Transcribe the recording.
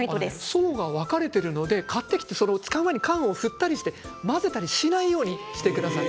層が分かれているので買ってきて缶を振ったりして混ぜたりしないようにしてください。